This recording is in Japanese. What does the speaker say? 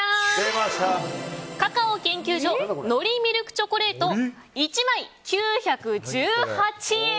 カカオ研究所海苔ミルクチョコレート１枚９１８円。